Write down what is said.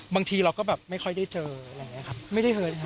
ไม่เรียกว่าอกหักเนอะ